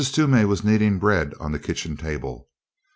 Toomey was kneading bread on the kitchen table.